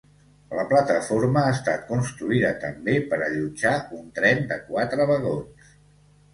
La plataforma ha estat construïda també per allotjar un tren de quatre vagons.